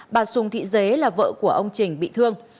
bà sùng thị dế là vợ của ông trình bị thương